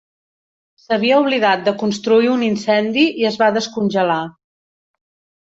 S'havia oblidat de construir un incendi i es va descongelar.